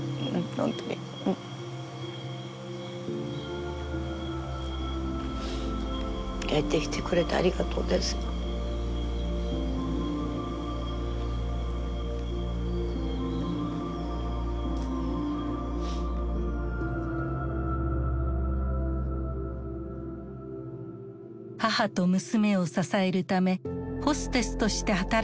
母と娘を支えるためホステスとして働いた世志子さん。